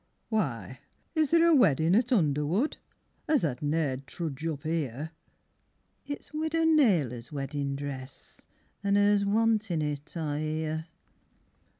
Why, is there a weddin' at Underwood, As tha ne'd trudge up here? It's Widow Naylor's weddin' dress, An' 'er's wantin it, I hear.